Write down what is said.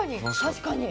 確かに。